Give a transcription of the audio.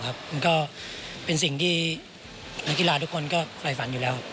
มันก็เป็นสิ่งที่นักกีฬาทุกคนก็ฝ่ายฝันอยู่แล้ว